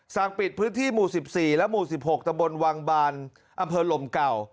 สั่งปิดพื้นที่หมู่๑๔และหมู่๑๖ตะบนวังบานอำเภอลมเก่า